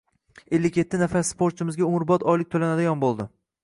Ellik yetti nafar sportchimizga umrbod oylik toʻlanadigan boʻldi.